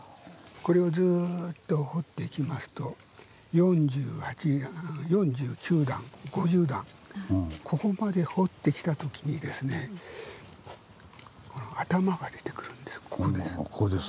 これをずっと掘っていきますと４８４９段５０段ここまで掘ってきた時にですね頭が出てくるんです。